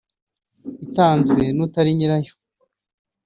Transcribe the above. itanzwe n’utari nyirayo